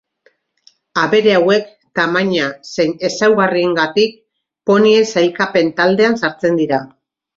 Abere hauek tamaina zein ezaugarriengatik ponien sailkapen taldean sartzen dira.